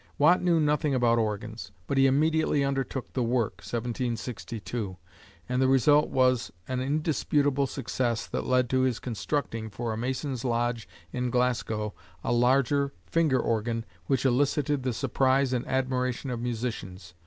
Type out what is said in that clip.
Watt knew nothing about organs, but he immediately undertook the work (1762), and the result was an indisputable success that led to his constructing, for a mason's lodge in Glasgow, a larger "finger organ," "which elicited the surprise and admiration of musicians."